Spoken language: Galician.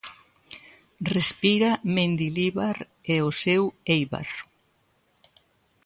Respira Mendilibar e o seu Éibar.